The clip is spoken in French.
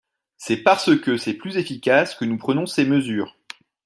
C’est parce que c’est plus efficace que nous prenons ces mesures.